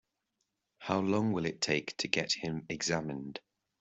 How long will it take to get him examined?